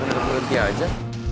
kan ada peluknya aja